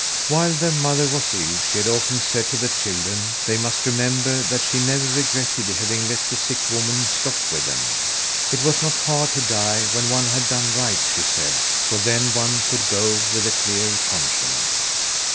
While their mother was ill she had often said to the children they must remember that she never regretted having let the sick woman stop with them. It was not hard to die when one had done right, she said, for then one could go with a clear conscience.